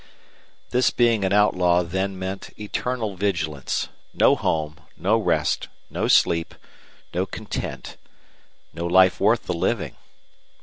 This being an outlaw then meant eternal vigilance. No home, no rest, no sleep, no content, no life worth the living!